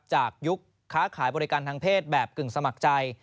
ยุคค้าขายบริการทางเพศแบบกึ่งสมัครใจ